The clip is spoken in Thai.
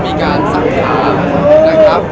มุมการก็แจ้งแล้วเข้ากลับมานะครับ